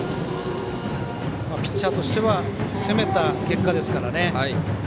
ピッチャーとしては攻めた結果ですからね。